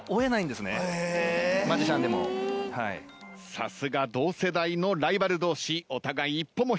さすが同世代のライバル同士お互い一歩も引きません。